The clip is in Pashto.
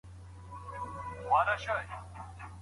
ولي ځیني زده کوونکي حضوري ټولګي د آنلاین زده کړو په پرتله خوښوي؟